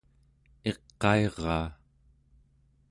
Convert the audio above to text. iqairaa